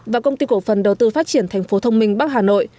và công ty cổ phần đầu tư phát triển thành phố thông minh bắc hà nội